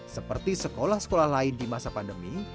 seperti sekolah sekolah lain di masa pandemi